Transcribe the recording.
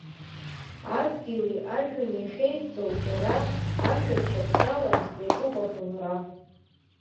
Адгьыли ажәҩани ахьеивҵоу џьара, ашәаԥшь ацралан, иаҿуп абылра.